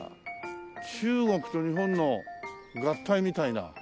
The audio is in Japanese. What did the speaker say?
中国と日本の合体みたいな。